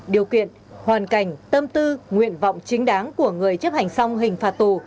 điều kiện hoàn cảnh tâm tư nguyện vọng chính đáng của người chấp hành xong hình phạt tù